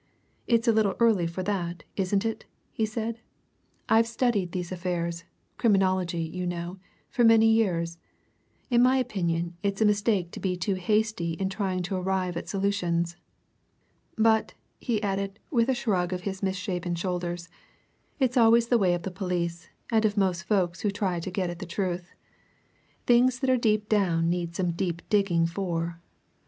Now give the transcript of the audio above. "It's a little early for that, isn't it?" he said. "I've studied these affairs criminology, you know for many years. In my opinion, it's a mistake to be too hasty in trying to arrive at solutions. But," he added, with a shrug of his misshapen shoulders, "it's always the way of the police, and of most folk who try to get at the truth. Things that are deep down need some deep digging for!"